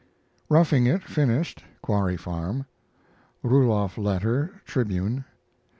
ROUGHING IT finished (Quarry Farm). Ruloff letter Tribune.